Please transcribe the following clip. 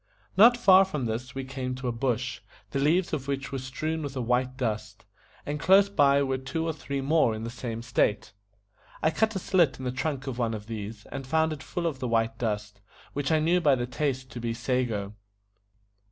Not far from this we came to a bush, the leaves of which were strewn with a white dust; and close by were two or three more in the same state. I cut a slit in the trunk of one of these, and found it full of the white dust, which I knew by the taste to be SA GO.